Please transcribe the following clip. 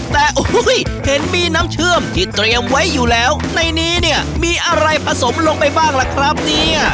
แต่โอ้โหเห็นมีน้ำเชื่อมที่เตรียมไว้อยู่แล้วในนี้เนี่ยมีอะไรผสมลงไปบ้างล่ะครับเนี่ย